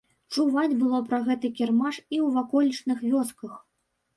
Чуваць было пра гэты кірмаш і ў ваколічных вёсках.